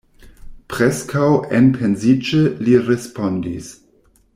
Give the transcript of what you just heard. Preskaŭ enpensiĝe li respondis: